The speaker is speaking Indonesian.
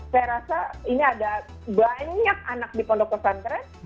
saya rasa ini ada banyak anak di pondok pesantren